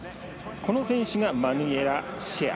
この選手がマヌエラ・シェア。